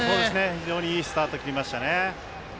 非常にいいスタート切りましたね。